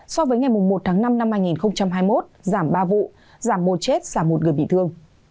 so với ngày một tháng năm năm hai nghìn hai mươi một giảm ba vụ giảm một chết giảm một người bị thương